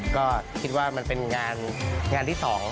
ก็คิดว่ามันเป็นงานที่๒